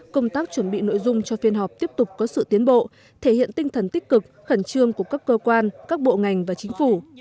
công tác chuẩn bị nội dung cho phiên họp tiếp tục có sự tiến bộ thể hiện tinh thần tích cực khẩn trương của các cơ quan các bộ ngành và chính phủ